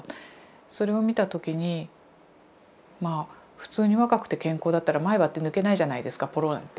それを見た時にまあ普通に若くて健康だったら前歯って抜けないじゃないですかポロなんて。